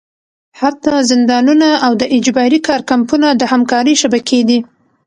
حتی زندانونه او د اجباري کار کمپونه د همکارۍ شبکې دي.